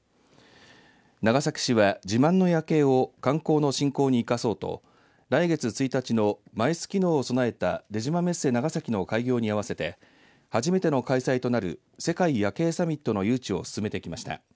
長崎市は、自慢の夜景を観光の振興に生かそうと来月１日のＭＩＣＥ機能を備えた出島メッセ長崎の開業に合わせて初めての開催となる世界夜景サミットの誘致を進めてきました。